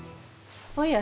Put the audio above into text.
おや。